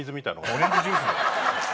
オレンジジュースだよ。